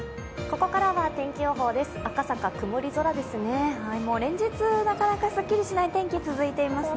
ここからは天気予報です。